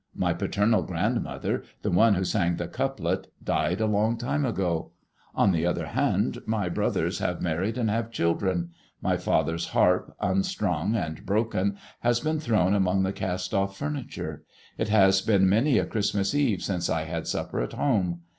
My paternal grandmother, the one who sang the couplet, died a long time ago. On the other hand, my brothers have married and have children. My father's harp, unstrung and broken, has been thrown among the cast off furniture. It has been many a Christmas Eve since I had supper at home.